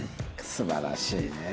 素晴らしいねえ。